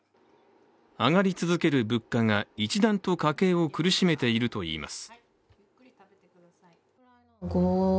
上がり続ける物価が一段と家計を苦しめていると言います。